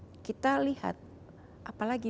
afganistan sudah tidak boleh bekerja pada ngo